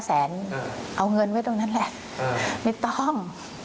แสนเอาเงินไว้ตรงนั้นแหละไม่ต้อง